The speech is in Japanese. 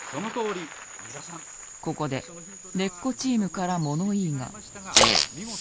ここで根っこチームから物言いが。